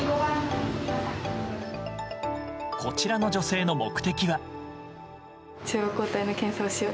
こちらの女性の目的は。